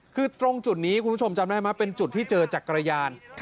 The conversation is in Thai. คือตรงจุดนี้คุณผู้ชมจำได้ไหมเป็นจุดที่เจอจักรยาน